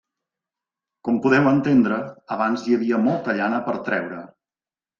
Com podeu entendre, abans hi havia molta llana per treure.